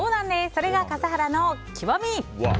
これが笠原の極み。